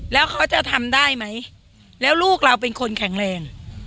แล้วเขาจะทำได้ไหมแล้วลูกเราเป็นคนแข็งแรง